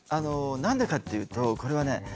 何でかっていうとこれはね